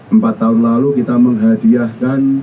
empat tahun lalu kita menghadiahkan